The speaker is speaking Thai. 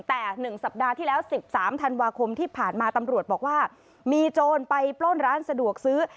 แต่๑สัปดาห์ที่แล้ว๑๓ธันวาคมที่ผ่านมาตำรวจบอกว่ามีโจรไปปล้นร้านสะดวกซื้อ